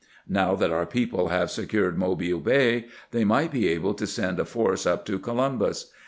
Now that our people have secured Mobile Bay, they might be able to send a force up to Columbus.